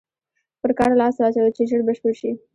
پر کار لاس واچوه چې ژر بشپړ شي.